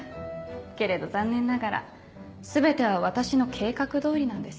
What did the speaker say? けれど残念ながら全ては私の計画通りなんです。